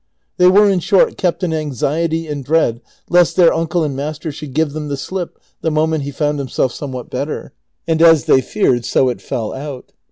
They were, in short, kej)t in anxiety and dread lest their uncle and master should give them the slip the moment he found himself somewhat better, and as they feared \o it fell out.